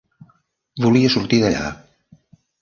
Volia sortir d'allà.